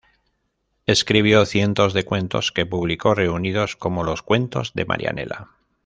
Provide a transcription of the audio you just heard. Escribió cientos de cuentos que publicó reunidos, como los "Cuentos de Marianela".